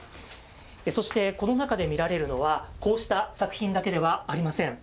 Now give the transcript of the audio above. そして、この中で見られるのは、こうした作品だけではありません。